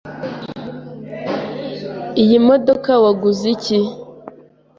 Iyi modoka waguze iki?